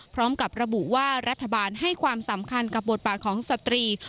พร้อมกับระบุว่ารัฐบาลให้ความสำคัญกับบทบาทของสตรี